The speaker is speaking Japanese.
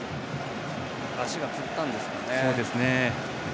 足がつったんですかね。